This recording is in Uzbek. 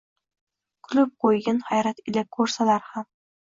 Kulib quygin hayrat ila kursalar ham!